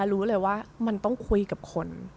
รู้เลยว่ามันต้องคุยกับคน